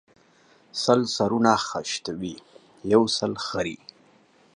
سل سرونه خشتوي ، يو سر خريي